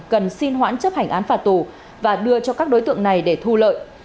cần xin hoãn chấp hành án phạt tù và đưa cho các đối tượng này để thu lợi